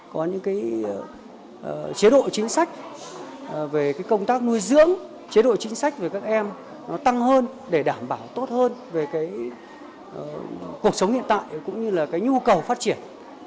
có những chế độ chính sách về công tác nuôi dưỡng chế độ chính sách về các em tăng hơn để đảm bảo tốt hơn về cuộc sống hiện tại cũng như nhu cầu phát triển